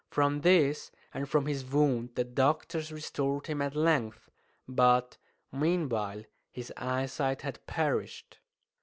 From this, and from his wound, the doctors restored him at length, but meanwhile his eyesight had perished.